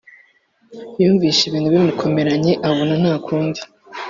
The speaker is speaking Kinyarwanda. yumvishe ibintu bimukomeranye abona ntakundi